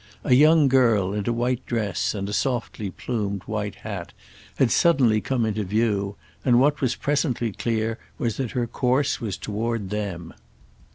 A young girl in a white dress and a softly plumed white hat had suddenly come into view, and what was presently clear was that her course was toward them.